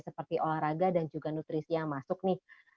seperti olahraga dan juga nutrisi yang masuk nih